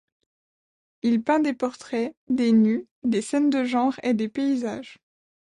Il peint des portraits, des nus, des scènes de genre et des paysages.